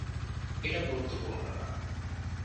এটা গুরুত্বপূর্ণ না।